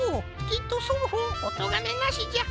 きっとそうほうおとがめなしじゃ。